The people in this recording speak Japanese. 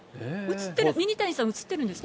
ミニタニさん、映ってるんですか？